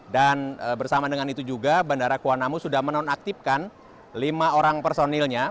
bersama dengan itu juga bandara kuala namu sudah menonaktifkan lima orang personilnya